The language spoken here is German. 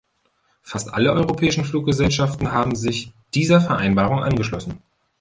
Fast alle europäischen Fluggesellschaften haben sich dieser Vereinbarung angeschlossen.